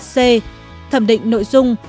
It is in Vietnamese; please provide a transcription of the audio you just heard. c thẩm định nội dung